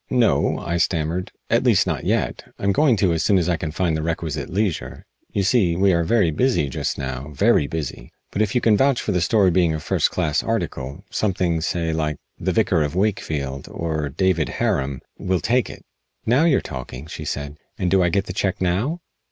"No," I stammered. "At least, not yet. I'm going to as soon as I can find the requisite leisure. You see, we are very busy just now very busy. But if you can vouch for the story being a first class article something, say, like 'The Vicar of Wakefield' or 'David Harum' we'll take it." "Now you're talking," she said. "And do I get the check now?"